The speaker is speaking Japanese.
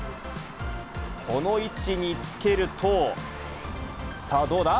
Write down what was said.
この位置につけると、さあ、どうだ。